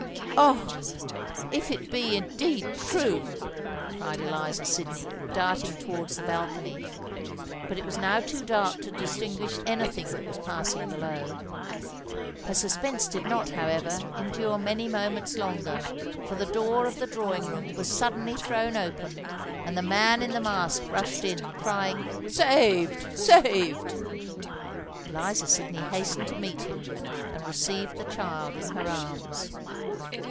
"Oh! if it be indeed true!" cried Eliza Sydney, darting towards the balcony; but it was now too dark to distinguish any thing that was passing below. Her suspense did not, however, endure many moments longer; for the door of the drawing room was suddenly thrown open, and the man in the mask rushed in, crying "Saved! saved!" Eliza Sydney hastened to meet him, and received the child in her arms.